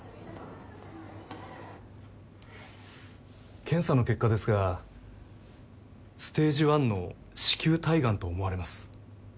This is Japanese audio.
検査の結果ですがステージⅠの子宮体がんと思われます。